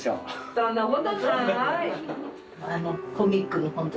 そんなことない。